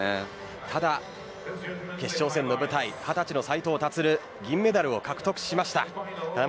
ただ決勝戦の舞台２０歳の斉藤立銀メダルを獲得しました。